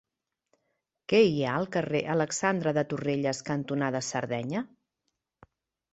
Què hi ha al carrer Alexandre de Torrelles cantonada Sardenya?